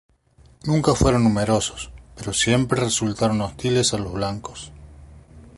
Nunca fueron numerosos, pero siempre resultaron hostiles a los blancos.